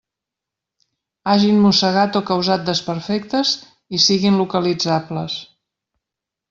Hagin mossegat o causat desperfectes i siguin localitzables.